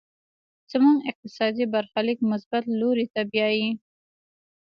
زموږ اقتصادي برخليک مثبت لوري ته بيايي.